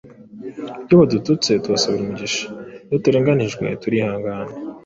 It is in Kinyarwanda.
Iyo badututse, tubasabira umugisha, iyo turenganijwe turihangana